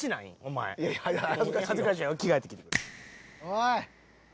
おい！